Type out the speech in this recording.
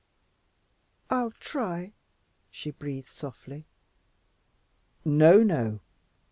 "I'll try," she breathed softly. "No, no!